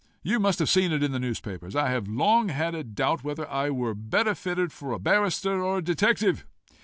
You must have seen it in the newspapers. I have long had a doubt whether I were better fitted for a barrister or a detective.